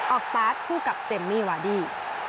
ออกสตาร์ทผู้กับเจมส์มิลเลอร์วาดี